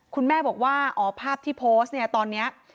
คุณแม่บอกว่าอ๋อภาพที่โพสต์เนี่ยตอนนี้